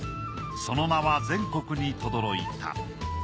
その名は全国にとどろいた。